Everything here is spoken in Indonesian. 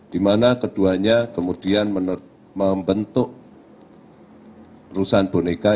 dimana keduanya kemudian membentuk perusahaan boneka